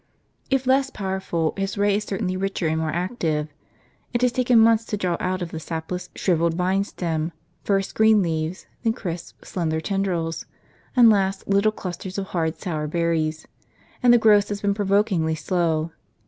If less powerful, his ray is certainly richer and more active. It has taken months to draw out of the sapless, shrivelled vine stem, first green leaves, then crisp slender tendrils, and last little clusters of hard sour berries ; and the growth has been pro vokingly slow.